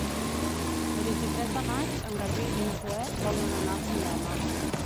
El vint-i-tres de maig en Garbí i na Zoè volen anar al cinema.